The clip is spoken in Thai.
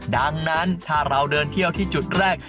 ดังนั้นถ้าเราเดินเที่ยวที่จุดแรก